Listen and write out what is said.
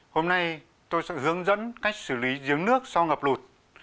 hôm nay tôi sẽ hướng dẫn cách xử lý giếng nước sau ngập lụt